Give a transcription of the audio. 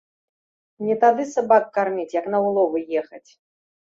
Не тады сабак карміць, як на ўловы ехаць